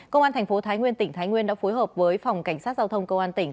công an thành phố thái nguyên tỉnh thái nguyên đã phối hợp với phòng cảnh sát giao thông công an tỉnh